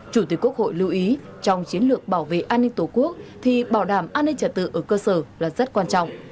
chủ tịch quốc hội lưu ý trong chiến lược bảo vệ an ninh tổ quốc thì bảo đảm an ninh trả tự ở cơ sở là rất quan trọng